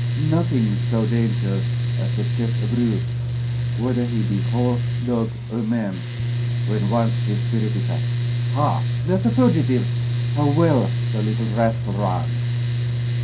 Nothing so dangerous as to check a brute, whether he be horse, dog, or man, when once his spirit is up. Ha! there is a fugitive! How well the little rascal runs!